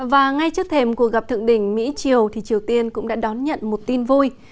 và ngay trước thềm cuộc gặp thượng đỉnh mỹ triều thì triều tiên cũng đã đón nhận một tin vui